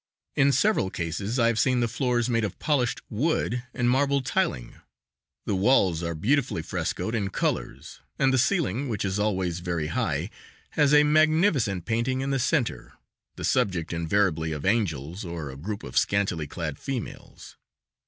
In several cases I have seen the floors made of polished wood and marble tiling; the walls are beautifully frescoed in colors, and the ceiling, which is always very high, has a magnificent painting in the center, the subject invariably of angels or a group of scantily clad females.